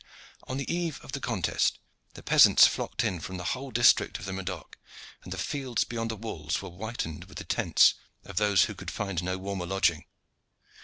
On the eve of the contest the peasants flocked in from the whole district of the Medoc, and the fields beyond the walls were whitened with the tents of those who could find no warmer lodging.